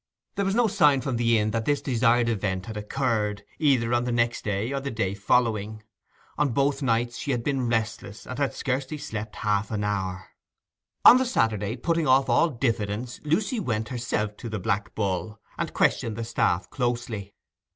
There was no sign from the inn that this desired event had occurred, either on the next day or the day following. On both nights she had been restless, and had scarcely slept half an hour. On the Saturday, putting off all diffidence, Lucy went herself to the Black Bull, and questioned the staff closely.